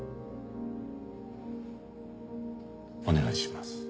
お願いします。